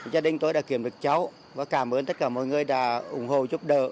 gia đình tôi đã kiếm được cháu và cảm ơn tất cả mọi người đã ủng hộ giúp đỡ